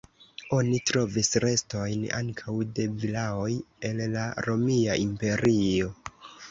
Oni trovis restojn ankaŭ de vilaoj el la Romia Imperio.